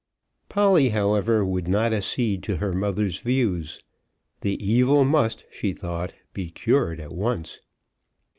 Polly, however, would not accede to her mother's views. The evil must, she thought, be cured at once.